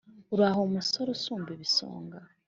uraho musore usumba ibisonga